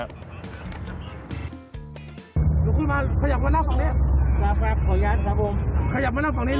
ลุกขึ้นมาขยับมานั่งฝั่งนี้